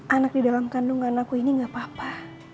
anak di dalam kandungan aku ini gak apa apa